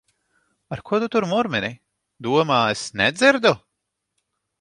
Ar ko tu tur murmini? Domā, es nedzirdu!